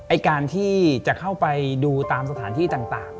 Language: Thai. การที่จะเข้าไปดูตามสถานที่ต่าง